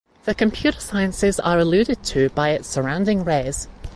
The Computer Sciences are alluded to by its surrounding rays.